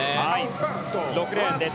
６レーンです。